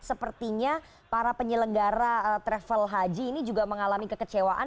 sepertinya para penyelenggara travel haji ini juga mengalami kekecewaan